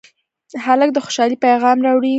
هلک د خوشالۍ پېغام راوړي.